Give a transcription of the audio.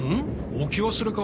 置き忘れか？